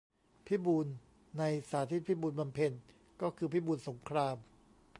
"พิบูล" ใน "สาธิตพิบูลบำเพ็ญ" ก็คือ พิบูลสงคราม